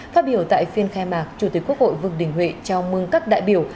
phát biểu tại phiên khai mạc chủ tịch quốc hội vương đình huệ chào mừng các đại biểu